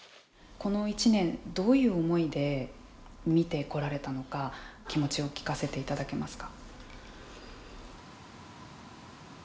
この１年どういう思いで見てこられたのか気持ちを聞かせていただけますか。